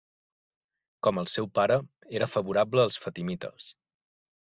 Com el seu pare, era favorable als fatimites.